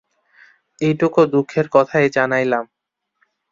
এইটুকু দুঃখের কথাই জানাইলাম।